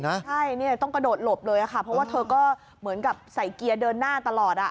ใช่เนี่ยต้องกระโดดหลบเลยค่ะเพราะว่าเธอก็เหมือนกับใส่เกียร์เดินหน้าตลอด